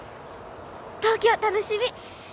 東京楽しみ！